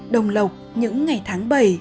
đồng lộc những ngày tháng bảy